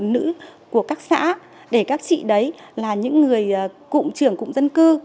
hội phụ nữ của các xã để các chị đấy là những người cụm trưởng cụm dân cư